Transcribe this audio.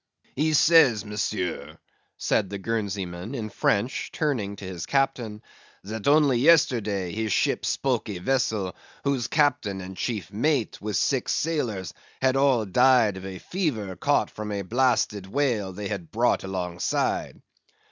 "He says, Monsieur," said the Guernsey man, in French, turning to his captain, "that only yesterday his ship spoke a vessel, whose captain and chief mate, with six sailors, had all died of a fever caught from a blasted whale they had brought alongside."